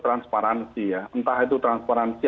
transparansi ya entah itu transparansi